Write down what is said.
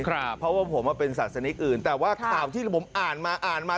เพราะว่าผมเป็นศาสนิกอื่นแต่ว่าข่าวที่ผมอ่านมาอ่านมา